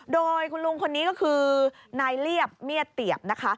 โดยคุณลุงคนนี้ก็คือนายเรียบเมียดเตียบนะคะ